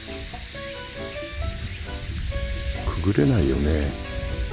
くぐれないよね。